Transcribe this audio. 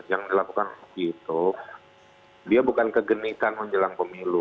yang dilakukan waktu itu dia bukan kegenikan menjelang pemilu